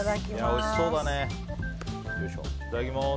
いただきます。